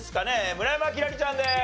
村山輝星ちゃんです。